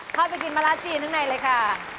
เข้าไปกินมะระจีนข้างในเลยค่ะ